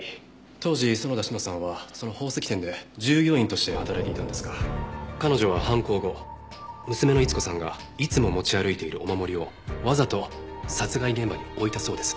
当時園田志乃さんはその宝石店で従業員として働いていたんですが彼女は犯行後娘の逸子さんがいつも持ち歩いているお守りをわざと殺害現場に置いたそうです。